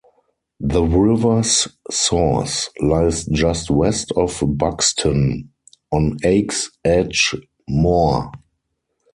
The river's source lies just west of Buxton, on Axe Edge Moor.